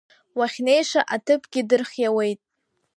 Уахьнеиша аҭыԥгьы дырхиауеит.